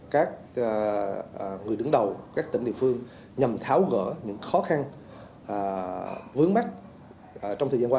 các người đứng đầu các tỉnh địa phương nhằm tháo gỡ những khó khăn vướng mắt trong thời gian qua